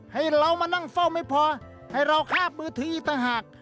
ให้เรามานั่งเฝ้าไม่พอให้เราคาบมือถืออีกต่างหาก